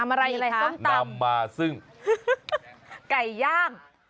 นำอะไรอีกส้นตำนำมาซึ่งนำอะไรอีกส้นตำ